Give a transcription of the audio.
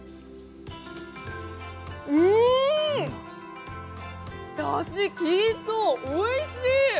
うーん、だしきいとう、おいしい。